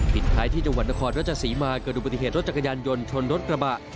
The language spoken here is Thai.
ท้ายที่จังหวัดนครราชสีมาเกิดอุบัติเหตุรถจักรยานยนต์ชนรถกระบะ